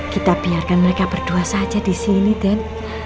kita biarkan mereka berdua saja disini den